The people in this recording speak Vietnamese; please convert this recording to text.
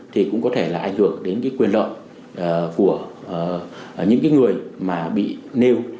thì cũng có thể là ảnh hưởng đến cái quyền lợi của những người mà bị nêu